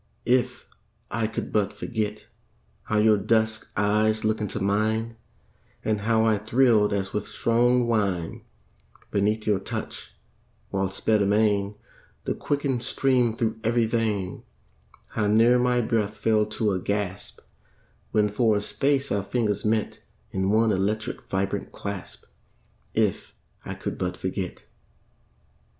If I could but forget How your dusk eyes look into mine, And how I thrilled as with strong wine Beneath your touch; while sped amain The quickened stream thro' ev'ry vein; How near my breath fell to a gasp, When for a space our fingers met In one electric vibrant clasp, If I could but forget.